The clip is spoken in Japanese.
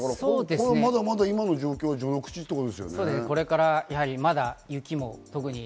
まだまだ今の状況は序の口ということ。